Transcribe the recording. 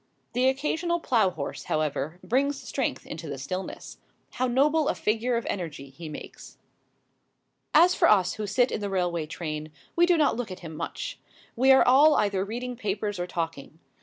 The occasional plough horse, however, brings strength into the stillness. How noble a figure of energy he makes! As for us who sit in the railway train, we do not look at him much. We are all either reading papers or talking.